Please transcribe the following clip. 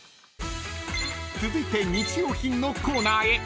［続いて日用品のコーナーへ］